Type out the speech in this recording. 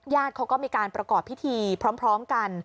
เขาก็มีการประกอบพิธีพร้อมกัน